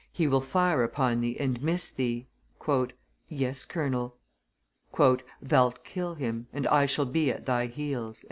"He will fire upon thee and miss thee." "Yes, colonel." "Thou'lt kill him, and I shall be at thy heels."